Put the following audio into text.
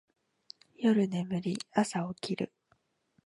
夜眠り、朝起きる